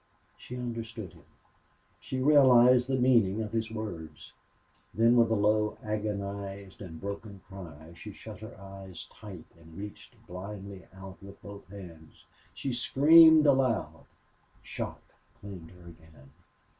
She understood him. She realized the meaning of his words. Then, with a low, agonized, and broken cry she shut her eyes tight and reached blindly out with both hands; she screamed aloud. Shock claimed her again.